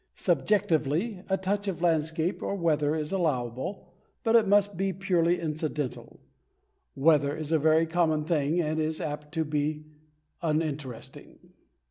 Subjectively, a touch of landscape or weather is allowable, but it must be purely incidental. Weather is a very common thing and is apt to be uninteresting.